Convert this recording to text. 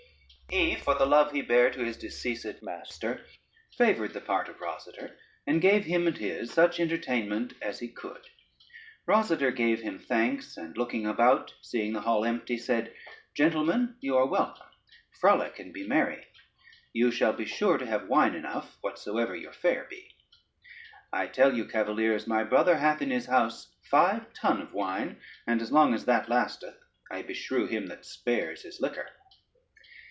He for the love he bare to his deceased master, favored the part of Rosader, and gave him and his such entertainment as he could. Rosader gave him thanks, and looking about, seeing the hall empty, said: "Gentlemen, you are welcome; frolic and be merry: you shall be sure to have wine enough, whatsoever your fare be. I tell you, cavaliers, my brother hath in his house five tun of wine, and as long as that lasteth, I beshrew him that spares his liquor."